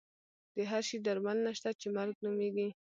د هر شي درملنه شته چې مرګ نومېږي.